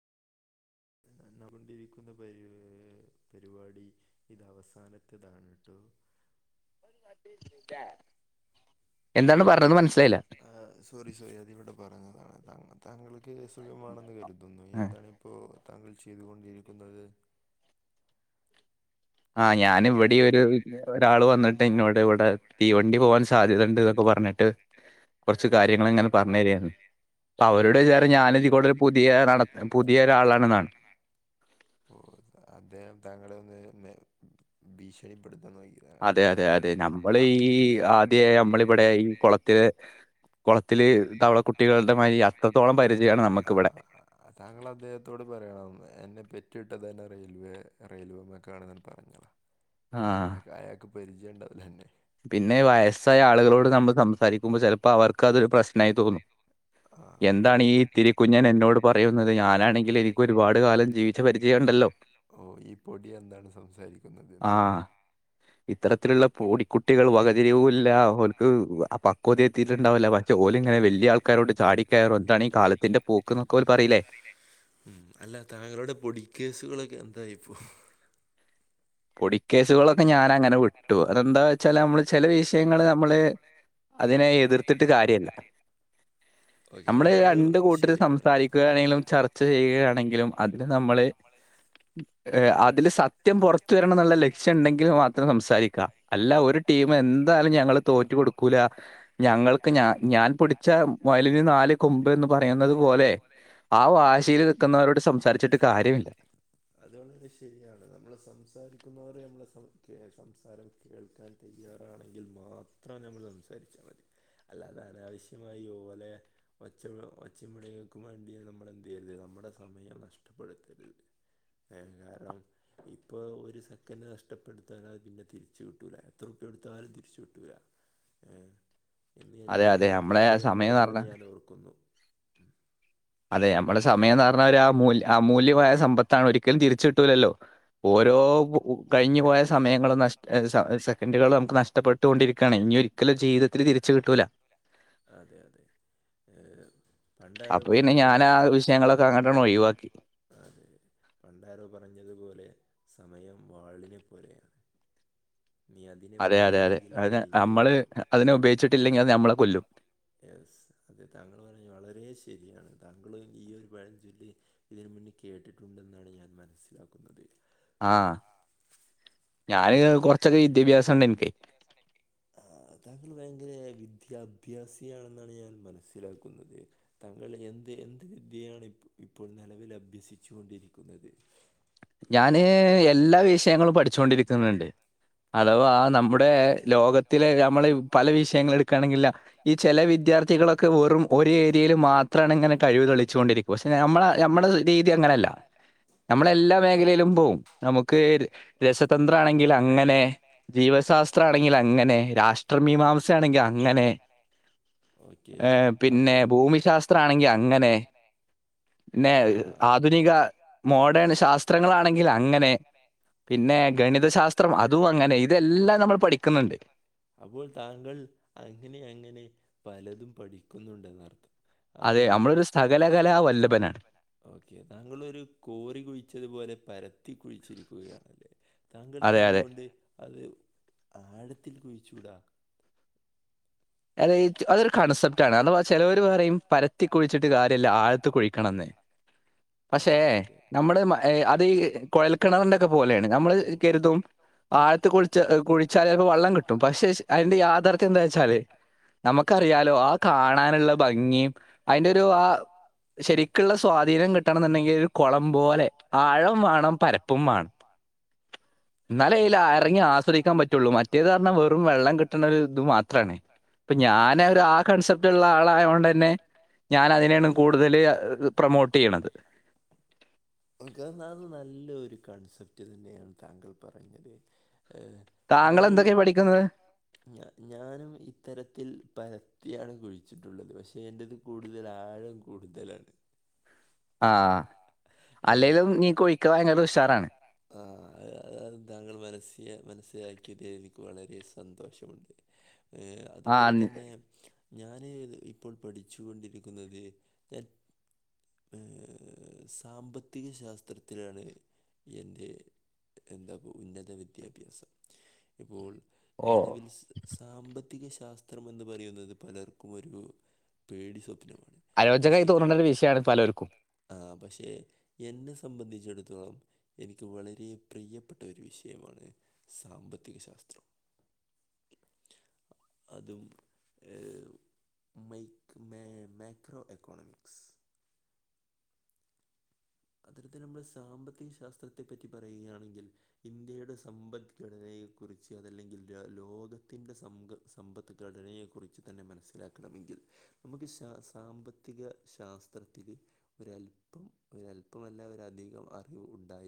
നന്നകൊണ്ടിരിക്കുന്ന പര് പരിവാടി ഇത് അവസാനത്തതാണ് ട്ടൊ. എന്താണ് പറഞ്ഞത് മനസ്സിലായില്ല? ആ സോറി സോറി അതിവ്ടെ പറഞ്ഞതാണ്. താ താങ്കൾക്ക് സുഖമാണെന്ന് കരുതുന്നു. ആ എന്താണ് ഇപ്പോ താങ്കൾ ചെയ്തുകൊണ്ടിരിക്കുന്നത്. ആ ഞാൻ ഇവിടീ ഒരു ഒരാള് വന്നിട്ട് എന്നോട് ഇവിടെ തീവണ്ടി പോവാൻ സ്ഥ സാധ്യത ഇണ്ട് ഇന്നൊക്കെ പറഞ്ഞിട്ട് കൊറ്ച്ച് കാര്യങ്ങൾ ഇങ്ങനെ പറഞ്ഞരേന്നു. ഓ അവരുടെ വിചാരം ഞാന് ഇതി കൂടെ ഒരു പുതിയ പുതിയ ഒരാളാണ്ന്നാണ് ഓ അദ്ദേഹം താങ്കളെ ഒന്ന് നേ ഭീഷണിപ്പെടുത്താൻ നോക്ക്യ അതെ അതെ അതെ. നമ്മൾ ഈ ആദ്യ നമ്മളി ഇവിടെ ഈ കൊള ത്തിൽ കുളത്തില് തവള കുട്ടികളുടെ മാരി അത്രത്തോളം പരിചയമാണ് നമുക് ആ ഇവെടെ. താങ്കൾ അദ്ദേഹത്തോട് പറയണം. എന്നെ പെറ്റിട്ടത് തന്നെ റെയിൽവേ റെയിൽവെ മെക്കാണ് പറഞ്ഞള. ആ അയാക്ക് പരിചയ ഇണ്ടാവുല്ല അന്നെ. പിന്നെ വയസ്സായ ആളുകളോട് നമ്മൾ സംസാരിക്കുമ്പം ചെലപ്പ അവർക്ക് അതൊരു പ്രശ്നായി തോന്നു. ആ എന്താണ് അവർക്ക് ഈ തിരിക്കുഞ്ഞൻ എന്നോട് പറയുന്നത് ഞാനാണെങ്കിൽ എനിക്ക് ഒരുപാട് കാലം ജീവിച്ച പരിചയം ഉണ്ടല്ലോ ഓ ഈ പൊടി എന്താണ് സംസാരിക്കുന്നത്ന്നല്ലേ ആഹ് ഇത്തരത്തിലുള്ള പൊടിക്കുട്ടികൾ വകതിരിവല്ല അവക്ക് കൊതിയെത്തിയിട്ടുണ്ടാവില്ല പച്ച പോലും ഇങ്ങെ വലിയ ആൾക്കാരോട് ചാടിക്കാരോ എന്താണ് ഈ കാലത്തിന്റെ പോക്ക്ക്കെ ഓൽ പറയില്ലേ ഉം അല്ല താങ്കളുടെ പൊടിക്കേസുകളൊക്കെ എന്തായി ഇപ്പോ പൊടിക്കേസുകളൊക്കെ ഞാൻ അങ്ങനെ വിട്ടു അതെന്താ വെച്ചാല് നമ്മള് ചില വിഷയങ്ങൾ നമ്മള് അതിനെ എതിർത്തിട്ട് കാര്യല്ല ഓക്കെ അത് നമ്മള് അത് ഇതിനെ രണ്ട് കൂട്ടത്തില് ശരിയാണ് സംസാരിക്കുകയാണെങ്കിലും ചർച്ച ചെയ്യുകയാണെങ്കിലും അതിൽ നമ്മള് നമ്മൾ ഏഹ് അതില് സത്യം പുറത്ത് എത്ത വരണം എന്നുള്ള ലക്ഷ്യം ഉണ്ടെങ്കിൽ മാത്രം സംസാരിക്കാം അല്ല ഒരു ടീമ എന്തായാലും ഞങ്ങള് തോറ്റ കൊടുക്കൂല ഞങ്ങൾക്ക് ഞാ ഞാൻ പിടിച്ച മുയലിന് നാല് കൊമ്പ് എന്ന് പറയുന്നത് പോലെ ആ വാശയിൽ നിൽക്കുന്നവരോട് സംസാരിച്ചിട്ട് കാര്യമില്ല അതുകൊണ്ട്ത് ശരിയാണ് നമ്മൾ സംസാരിക്കുന്നവരെ നമ്മെ സംസാരം കേൾക്കാൻ തയ്യാറാണെങ്കിൽ മാത്രം മാത്രമാണ് നമ്മൾ സംസാരിച്ചാൽ മതി അല്ലാത അനാവശ്യമായി ഓലെ ഒച്ചിം ബിളീം കേൾക്കുമ്പോ നമ്മൾ എന്ത് ചെയ്യരുത് നമ്മുടെ സമയം നഷ്ടപ്പെടുത്തരുത് ഏഹ് കാരണം ഇപ്പൊ ഒരു സെക്കൻ് നഷ്ടപ്പെടുത്താല അത് പിന്നെ തിരിച്ചു കിട്ടല എത്ര ഉുപ്യ കൊടുത്താലും തിരിച്ചു കിട്ടൂല ആഹ് എന്ന് അതെ എറെ ഒരു അതെ നമ്മളെ അദ്ധ്യാപകൻ സമയം എന്ന് പറഞ്ഞത് പറഞ്ഞ ഞാൻ ഓർക്കുന്നു അതെ നമ്മുടെ സമയം എന്ന് പറഞ്ഞാ ഒരു അമൂല് അമൂല്യമായ സമ്പത്താണ് ഒരിക്കലും തിരിച്ചു കിട്ടൂലല്ലോ അതെ ഓരോ അതെ. കഴിഞ്ഞു പോയ സമയങ്ങളും നഷ സെക്കൻഡുകൾ നമുക്ക് നഷ്ടപ്പെട്ടുക കൊണ്ടിരിക്കയാണ് ഇഞ്ഞൊര് ഒരിക്കല ജീതത്തിത്തില് തിരിച്ച കിട്ടൂല അതെ അതെ ഏഹ് പണ്ടാരോ അപ്പൊ പിന്നെ പറഞ്ഞതു ഞാൻ ആ വിഷയങ്ങളൊക്കെ അങ്ങോട്ടാണ് ഒഴിവാക്കി അതെ പണ്ടാരോ പറഞ്ഞു ഞ്ഞതുപോലെ സമയം വാളിനെ പോലെയാണ് നീ അതിനെ അതെ അതെ അതെ വെട്ടിയില്ലെങ്കിൽ അത് നിന്നെ നമ്മള് വെട്ടും അതിനെ ഉപയോഗിച്ചിട്ടില്ലെങ്കിൽ അത് നമ്മളെ കൊല്ലും യെസ് അതെ താങ്കൾ പറഞ്ഞ വളരെ ശരിയാണ് താങ്കൾ ഈ ഒരു പഴഞ്ചൊല്ലി ഇതിന് മുന്നേ കേട്ടിട്ടുണ്ടെന്നാണ് ഞാൻ മനസ്സിലാക്കുന്നത് ആഹ ഞാന് കൊറച്ചൊക്കെ വിദ്യാഭ്യാസംണ്ട് എനിക്ക് [unintelligible] തങ്കൾ ഭയങ്കര വിദ്യാഭ്യാസിയാണെന്നാണ് ഞാൻ മനസ്സിലാക്കുന്നത് താങ്കൾ എന്ത് എന്ത് വിദ്യയാണ് ഇ ഇപ്പോൾ നിലവിൽ അഭ്യസിച്ചു കൊണ്ടിരിക്കുന്നത് ഞാന് എല്ലാ വിഷയങ്ങളും പഠിച്ചുണ്ടിരിക്കുന്നുണ്ട് അഥവാ നമ്മുടെ ലോകത്തില നമ്മള് പല വിഷയങ്ങ എടുക്കുകയാണെങ്കിൽഇല്ല ഈ ചെല വിദ്യാർത്ഥികളൊക്കെ വെറും ഒരു ഏരിയയിൽ മാത്രമാണ് ഇങ്ങനെ കഴിവ് തെളിച്ചു കൊണ്ടിരിക്കുവ പക്ഷെ നമ്മള നമ്മുടെ രീതി അങ്ങനെയല്ല നമ്മള എല്ലാ മേഖലയിലും പോവും നമുക്ക് രസ സ് തന്ത്രമാണെങ്കിൽ അങ്ങനെ ജീവശാസ്ത്രമാണെങ്കിൽ അങ്ങനെ രാഷ്ട്രമീമാംസയാണെങ്കിൽ അങ്ങനെ ഓക്കെ ഏ പിന്നെ അപ്പൊ ഭൂമിശാസ്ത്ര ആണെങ്കി അങ്ങനെ ന്നെ ആ ആധുനിക മോഡേണ്‌ ശാസ് ത്രങ്ങളാണെങ്കി അങ്ങനെ പിന്നെ ഗണിതശാസ്ത്രം അ തും അങ്ങനെ ഇതെല്ലാം നമ്മള് പഠിക്ക്ന്ന്ണ്ട് അപ്പോൾ താങ്കൾ അങ്ങനെ അങ്ങനെ പലതും പഠിക്കുന്നുണ്ടെന്നർത്ഥം അപ്പോൾ അതെ അമ്മള് ന്ന് സകലകലാ വല്ലഭനാ ഓക്കെ താങ്കളൊരു കോറി കുഴിച്ചത്പോലെ പരത്തി കുഴ്ച്ചിരിക്കുകയാണല്ലേ അതെ, അതെ. താങ്കൾക്കെന്ത്‌കൊണ്ട് അത് ആഴത്തിൽ കുഴിച്ചൂടാ അത് അതൊരു കൺസെപ്റ്റാണ് അതവാ ചെലോര് പറയും പരത്തി കുഴിച്ചിട്ട് കാര്യല്ല ആഴത്ത് കുഴിക്കണംന്ന് അവ പക്ഷേ അതെ നമ്മട് ഏ അത് ഈ കുഴൽക്കെണറിന്റൊക്കെ പോലേണ് നമ്മള് കെര്തും ആഴത്ത് കുളിച്ച കുഴ്ച്ചാൽ ചെലപ്പോ വള്ളം കിട്ടും പക്ഷെ അതിന്റെ യാഥാർത്യം എന്താന്നെച്ചാല് നമ്മക്കറിയാലോ ആ കാണാന്ള്ള ഭംഗിം അയ്ന്റോരു ആഹ് ശെരിക്ക്ള്ള സ്വാധീനം കിട്ടണന്ന്ണ്ടെങ്കി ഒര് കൊളം പോലെ ആഴം വാണം പരപ്പും വാണം ന്നാലേ അയ്ല് ഓക്കെ അറങ്ങി ആസ്വധിക്കാൻ പറ്റോള്ളൂ മറ്റേത് അർഞ്ഞാ വെറും വെള്ളം കിട്ട്ണോരു ത് മാത്രണ് പ്പ ഞാന് ഒരാ കൺസെപ്റ്റ്ള്ള ആളായോണ്ടന്നെ ഞാനതിനേണ് കൂട്തല് പ്രൊമോട്ട്യ്യ്ണത് ത് എന്നാൽ നല്ല ഒരു കൺസെപ്റ്റ് തന്നെയാണ് താങ്കൾ പറഞ്ഞത് ഏ താങ്കൾ എന്തൊക്കെയാ ന്തെക്കെ പഠിക്കുന്നത് പഠിക്ക്ന്നത് ഞ ഞാനും ഇത്തരത്തിൽ പരത്തിയാണ് കുഴിച്ച്ട്ടുള്ളത് പക്ഷെ എന്റെത് കൂട്തലാഴം കൂട്തലാണ് ആഹ് ഏ, അല്ലേലും നീ കുഴിക്ക്ണ [unintelligible] ഉഷാറാണ് ആ അഹ് അഹ് താങ്കള് മനസ്സ മനസ്സിലാക്കിയതിൽ എനിക്ക് വളരെ സന്തോഷമുണ്ട് അ് ആ അതുപോലെ നി- തന്നെ ഞാന് ഇപ്പോൾ പഠിച്ച് കൊണ്ടിരിക്കുന്നത് ഞാ ഹ്... സാമ്പത്തിക ശാസ്ത്രത്തിലാണ് എൻ്റെ എന്താപ്പൊ ഉന്നത വിദ്യാഭ്യാസം ഇപ്പോൾ ഓ നെലവിൽ സാമ്പത്തിക ശാസ്ത്രം എന്ന് പറയുന്നത് പലർക്കും ഒരു പേടി സ്വപ്നമാണ് അയോചകായി തോന്ന്ണൊര് വിഷയാണ് പലർക്കും ആഹ് പക്ഷെ എന്നെ സംബന്ധിച്ചട്ത്തോളം എനിക്ക് വളരെ പ്രിയപ്പെ ട്ട ഒരു വിഷയമാണ് സാമ്പത്തിക ശാസ്ത്രം അതും അ് മൈക് മേ മേക്രോ എക്കോണമിക്സ് അത്തരത്തി നമ്മള് സാമ്പത്തിക ശാസ്ത്രത്തെപ്പറ്റി പറയുകയാണെങ്കിൽ ഇന്ത്യയുടെ സമ്പദ്ഘടനയെ കുറിച്ച് അതല്ലെങ്കിൽ ലോകത്തിന്റെ സംഘ സമ്പത്ത്ഘടനയെക്കുറിച്ച് തന്നെ മനസ്സിലാക്കണമെങ്കിൽ നമ്മക്ക് സാമ്പത്തിക ശാസ്ത്രത്തില് ഒരല്പ്പം ഒരല്പമല്ല ഒരധികം അറിവ് ഉണ്ടായി